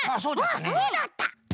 あっそうだった！